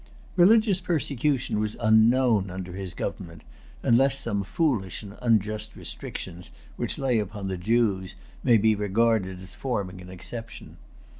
Religious persecution was unknown under his government, unless some foolish and unjust restrictions which lay upon the Jews may be regarded as forming an exception.